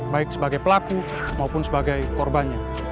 baik sebagai pelaku maupun sebagai korbannya